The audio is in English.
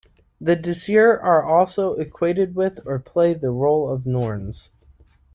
The dísir are also equated with or play the role of norns.